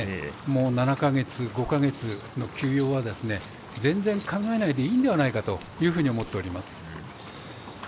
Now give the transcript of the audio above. ７か月、５か月の休養は全然、考えないでいいんではないかというふうに思っております。